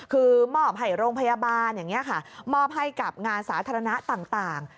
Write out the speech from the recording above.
คือมอบให้โรงพยาบาลมอบให้กับงานสาธารณะต่าง